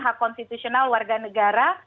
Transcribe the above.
hak konstitusional warga negara